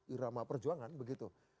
irama perjuangan begitu